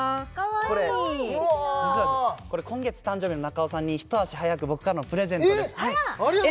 これ実は今月誕生日の中尾さんに一足早く僕からのプレゼントですえっ！